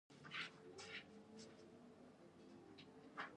هغوی د کرمان په شاوخوا کې استوګنه غوره کړې.